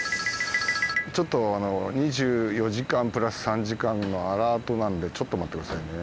ちょっと２４時間プラス３時間のアラートなんでちょっと待ってくださいね。